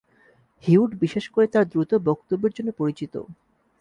হিউড বিশেষ করে তার দ্রুত বক্তব্যের জন্য পরিচিত।